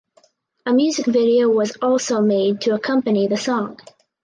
A music video was also made to accompany the song.